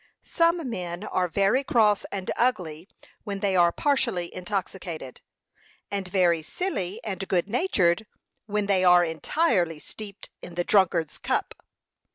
Some men are very cross and ugly when they are partially intoxicated, and very silly and good natured when they are entirely steeped in the drunkard's cup.